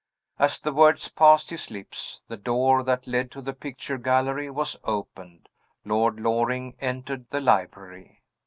As the words passed his lips, the door that led to the picture gallery was opened. Lord Loring entered the library.